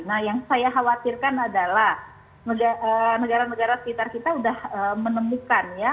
nah yang saya khawatirkan adalah negara negara sekitar kita sudah menemukan ya